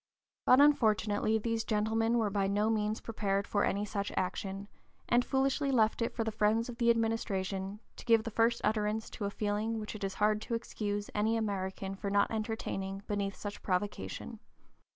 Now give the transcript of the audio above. But unfortunately these gentlemen were by no means prepared for any such action, and foolishly left it for the friends of the administration to give the first utterance to a feeling which it is hard to excuse any American for not entertaining beneath such provocation.